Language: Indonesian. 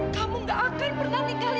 kamu gak akan pernah tinggalin mama